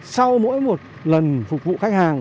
sau mỗi một lần phục vụ khách hàng